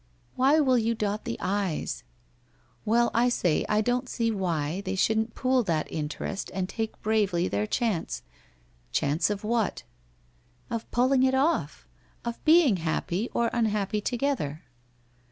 'Why will you dot the i's? Well, I say I don't see why they shouldn't pool that interest and take bravely their chance '' Chance of what ?' 'Of pulling it off. Of being happy or unhappy to gether.'